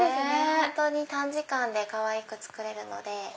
本当に短時間でかわいく作れるので。